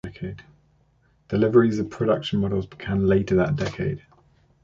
Deliveries of production models began later that decade.